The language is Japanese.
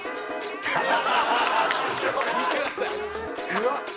「うわっ！」